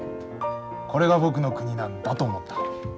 これが僕の国なんだと思った。